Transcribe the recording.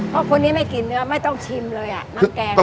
เพราะคนนี้ไม่กินเนื้อไม่ต้องชิมเลยน้ำแกง